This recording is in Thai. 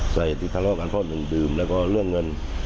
ใส่ที่ทะเลาะกันพอดื่มแล้วก็เรื่องเงิน